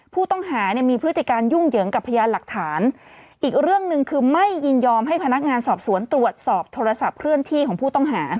ผู้ต้องหาเนี่ยมีพฤติการยุ่งเหยิงกับพยานหลักฐานอีกเรื่องหนึ่งคือไม่ยินยอมให้พนักงานสอบสวนตรวจสอบโทรศัพท์เคลื่อนที่ของผู้ต้องหา